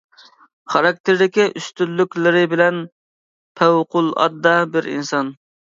خاراكتېرىدىكى ئۈستۈنلۈكلىرى بىلەن پەۋقۇلئاددە بىر ئىنسان.